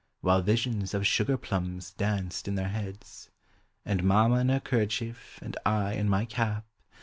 While visions of sugar plums danced in their heads ; And mamma in her kerchief, and I in my cap.